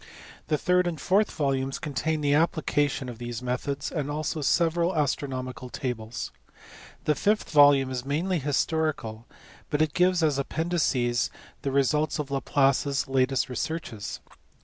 The third and fourth volumes contain the application of these methods, and also several astronomical tables. The fifth volume is mainly historical, but it gives as appendices the results of Laplace s latest researches.